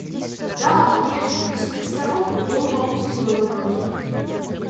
Да, конечно, это сидит старуха и голову опустила на грудь.